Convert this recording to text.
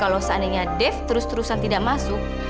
kalau seandainya dave terus terusan tidak masuk